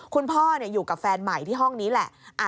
คุณพ่ออยู่กับแฟนใหม่ที่ห้องนี้แหละ